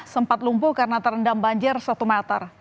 sempat lumpuh karena terendam banjir satu meter